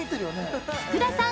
福田さん